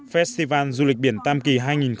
festival du lịch biển tam kỳ hai nghìn một mươi chín